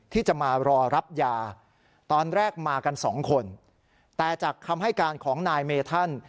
ที่จะมารอรับยาตอนแรกมากันสองคนแต่จากคำให้การของนายเมธัน